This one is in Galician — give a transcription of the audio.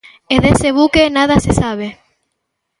E dese buque nada se sabe.